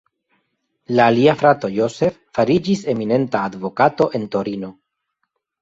Lia alia frato Joseph fariĝis eminenta advokato en Torino.